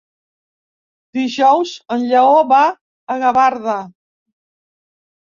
Dijous en Lleó va a Gavarda.